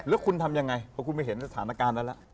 แล้วคุณทำยังไงเพราะคุณไม่เห็นสถานการณ์นั้นแล้ว